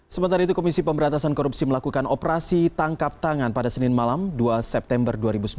sementara itu komisi pemberantasan korupsi melakukan operasi tangkap tangan pada senin malam dua september dua ribu sembilan belas